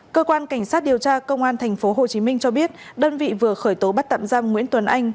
cơ quan cảnh sát điều tra công an tp hồ chí minh cho biết đơn vị vừa khởi tố bắt tạm giam nguyễn tuấn anh